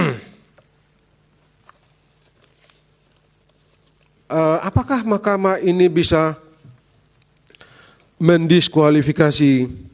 hai apakah mahkamah ini bisa mendiskualifikasi